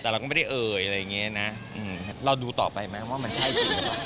ลองดูต่อไปควิดจริง